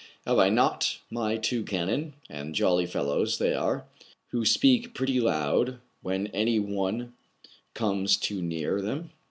" Have I not my two cannon, — and jolly fellows they are !— who speak pretty loud when any one comes too near them